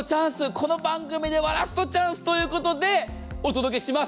この番組ではラストチャンスということでお届けします。